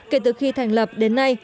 kể từ khi thành lập đến nay